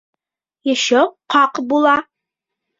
Еще ҡаҡ була!